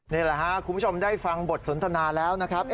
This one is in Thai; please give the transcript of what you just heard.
นี่แหละครับคุณผู้ชมได้ฟังบทสนทนาแล้วนะครับ